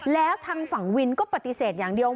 แล้วทางฝั่งวินก็ปฏิเสธอย่างเดียว